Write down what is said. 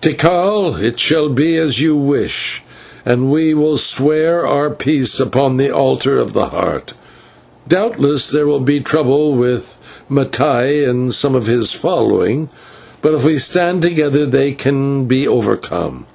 Tikal, it shall be as you wish, and we will swear our peace upon the altar of the Heart. Doubtless there will be trouble with Mattai and some of his following, but if we stand together they can be overcome.